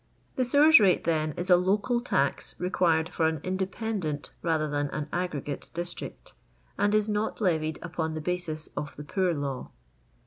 The sewers rate, then, is a local tax requiied for an indepciidtnt rather than an aggregoie district, and is not levied upon the basis of the poor law.